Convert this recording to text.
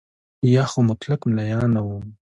یا خو مطلق ملایان نه وو.